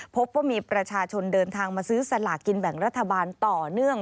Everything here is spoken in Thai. พบว่ามีประชาชนเดินทางมาซื้อสลากกินแบ่งรัฐบาลต่อเนื่อง